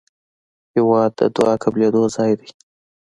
هېواد د دعا قبلېدو ځای دی.